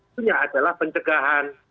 hulunya adalah pencegahan